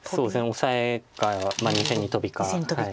オサエか２線にトビか。